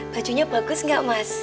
bajunya bagus gak mas